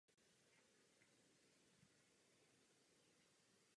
Narodil se v Praze v rodině herce Národního divadla Jana Vávry.